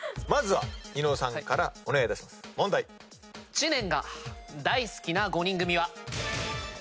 知念が大好きな５人組は？